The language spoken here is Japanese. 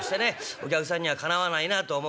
お客さんにはかなわないなと思う